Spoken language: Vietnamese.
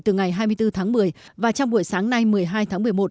từ ngày hai mươi bốn tháng một mươi và trong buổi sáng nay một mươi hai tháng một mươi một